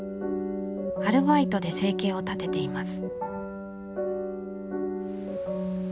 アルバイトで生計を立てています。